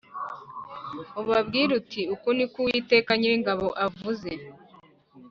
ubabwire uti Uku ni ko Uwiteka Nyiringabo avuze